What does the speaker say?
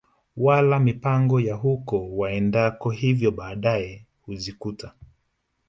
wala mipango ya huko waendako hivyo baadae hujikuta